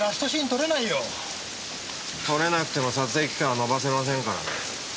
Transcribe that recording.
撮れなくても撮影期間は延ばせませんからね。